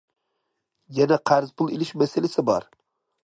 يەنە قەرز پۇل ئېلىش مەسىلىسى بار.